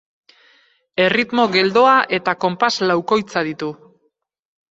Erritmo geldoa eta konpas laukoitza ditu.